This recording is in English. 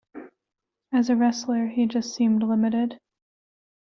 As a wrestler, he just seemed limited.